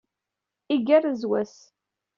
Igerrez wass.